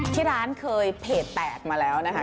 ที่ร้านเคยเพจแตกมาแล้วนะคะ